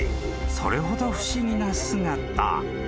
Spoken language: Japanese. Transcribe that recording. ［それほど不思議な姿］